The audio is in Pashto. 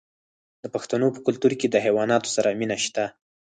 د پښتنو په کلتور کې د حیواناتو سره مینه شته.